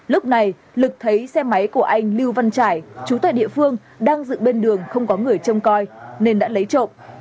lúc này lực thấy xe máy của anh lưu văn trải chú tại địa phương đang dựng bên đường không có người trông coi nên đã lấy trộm